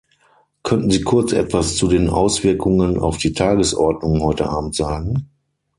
Könnten Sie kurz etwas zu den Auswirkungen auf die Tagesordnung heute abend sagen?